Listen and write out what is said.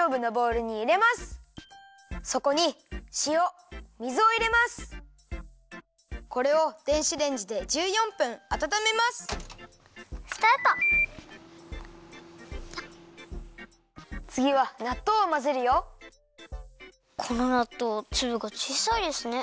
このなっとうつぶがちいさいですね。